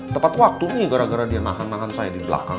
tepat waktu nih gara gara dia nahan nahan saya di belakang